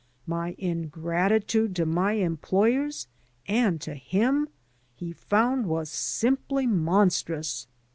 My ingratitude to my employers and to him, he f ound, was simply monstrous.